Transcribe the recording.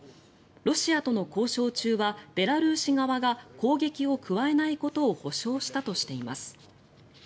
ロシアとの交渉中はベラルーシ側が攻撃を加えないことを保証したとしています。